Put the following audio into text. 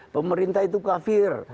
pemerintah itu kafir